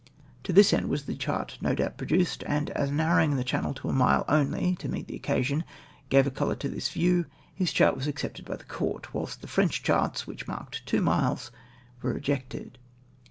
To this end was the chart no doubt produced, and as narrowing the channel to a mile only — to meet the occasion — gave a colour to this view, his chart was accepted by the court, whilst the French charts which marJced two miles, were rejected.